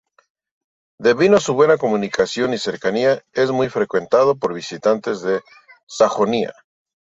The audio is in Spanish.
Debido a su buena comunicación y cercanía, es muy frecuentado por visitantes de Sajonia.